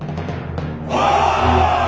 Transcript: お！